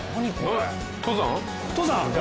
登山？